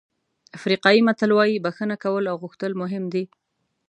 افریقایي متل وایي بښنه کول او غوښتل مهم دي.